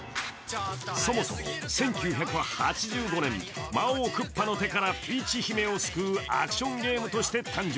そもそも１９８５年、魔王クッパの手からピーチ姫を救うアクションゲームとして誕生。